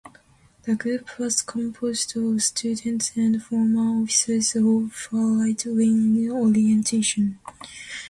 The group was composed of students and former officers of far-right wing orientation.